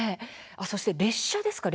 そして列車ですか